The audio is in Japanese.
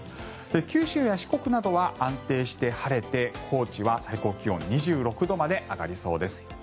九州や四国などは安定して晴れて高知は最高気温２６度まで上がりそうです。